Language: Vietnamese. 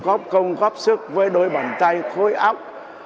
góp công góp sức với đôi bàn tay khối óc